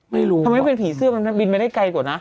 ไม่รู้ทำไมเป็นผีเสื้อมันบินไปได้ไกลกว่านะ